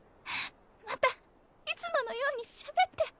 またいつものようにしゃべって。